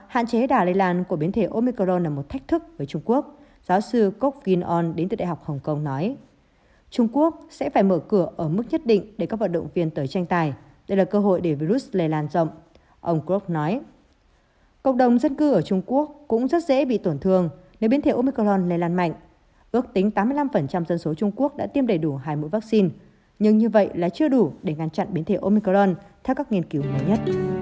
hãy đăng ký kênh để ủng hộ kênh của chúng mình nhé